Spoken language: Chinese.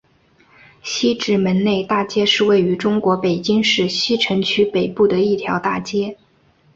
西直门内大街是位于中国北京市西城区北部的一条大街。